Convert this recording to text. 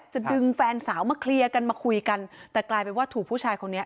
จะดึงแฟนสาวมาเคลียร์กันมาคุยกันแต่กลายเป็นว่าถูกผู้ชายคนนี้